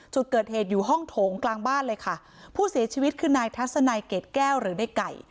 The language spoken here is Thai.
จุดเกิดเหตุอยู่ห้องโถงกลางบ้านเลยค่ะผู้เสียชีวิตคือนายทัศนัยเกรดแก้วหรือในไก่